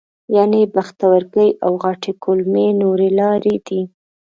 ینه، پښتورګي او غټې کولمې نورې لارې دي.